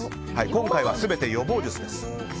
今回は全て予防術です。